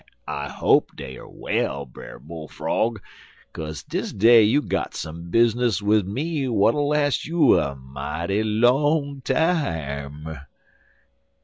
I hope dey er well, Brer Bull frog, kaze dis day you got some bizness wid me w'at'll las' you a mighty long time.'